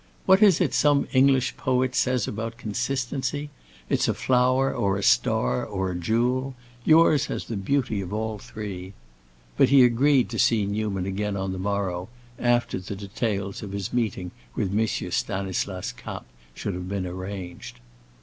"What is it some English poet says about consistency? It's a flower, or a star, or a jewel. Yours has the beauty of all three!" But he agreed to see Newman again on the morrow, after the details of his meeting with M. Stanislas Kapp should have been arranged.